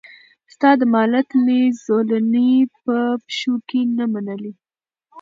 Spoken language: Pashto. ستا د مالت مي زولنې په پښو کي نه منلې